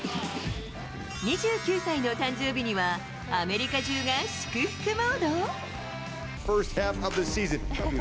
２９歳の誕生日には、アメリカ中が祝福モード。